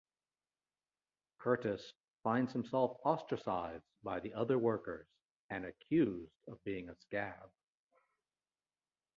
Curtis finds himself ostracised by the other workers and accused of being a scab.